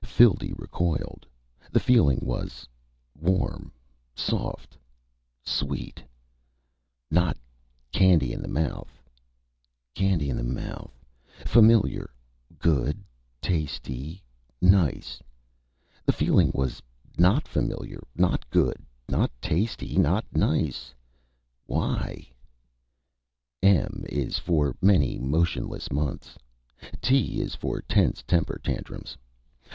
Phildee recoiled. The feeling was: Warm Soft Sweet Not candy in the mouth Candy in the mouth Familiar Good Tasty Nice The feeling was Not Familiar Not Good Not Tasty Not Nice WHY?: M is for many motionless months. _T is for tense temper tantrums.